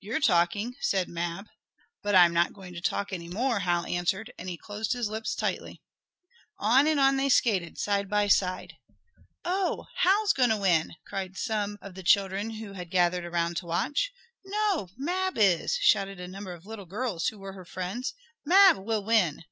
"You're talking," said Mab. "But I'm not going to talk any more," Hal answered, and he closed his lips tightly. On and on they skated, side by side. "Oh, Hal's going to win!" cried some of the children who had gathered around to watch. "No, Mab is!" shouted a number of little girls who were her friends. "Mab will win!"